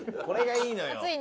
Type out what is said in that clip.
これがいいのよ。